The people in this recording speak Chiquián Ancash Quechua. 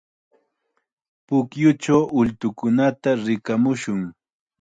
Pukyuchaw ultukunata rikamushun.